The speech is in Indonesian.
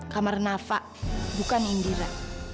kamar nafa bukan indira